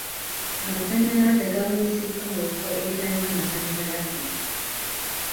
Amasannyalaze gabunyisiddwa mu bifo ebitalina masannyalaze.